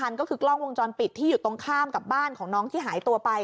ก็คือกล้องวงจรปิดที่อยู่ตรงข้ามกับบ้านของน้องที่หายตัวไป